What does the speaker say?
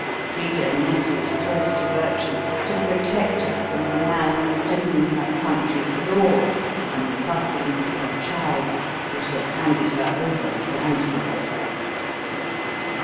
Frida nestled close to Bertram, to protect her from the man to whom her country's laws and the customs of her tribe would have handed her over blindfold.